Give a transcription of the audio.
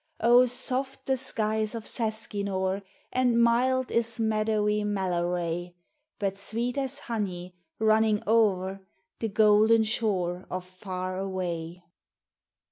Oh, soft the skies of Seskinore, And mild is meadowy Mellaray. But sweet as honey, running o'er, The Golden Shore of Far Away. 184 POEMS OF FANCY.